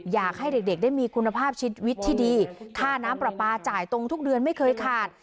อยากให้เด็กได้มีคุณภาพชีวิตที่ดีค่าน้ำปลาปลาจ่ายตรงทุกเดือนไม่เคยขาด